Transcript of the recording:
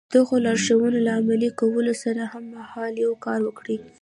د دغو لارښوونو له عملي کولو سره هممهاله يو کار وکړئ.